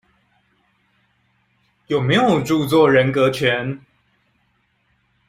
有沒有著作人格權？